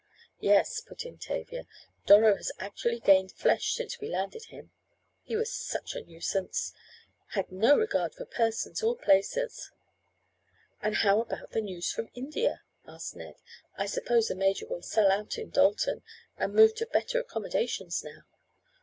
"Yes," put in Tavia, "Doro has actually gained flesh since we landed him. He was such a nuisance. Had no regard for persons or places." "And how about the news from India?" asked Ned. "I suppose the major will sell out in Dalton and move to better accommodations now.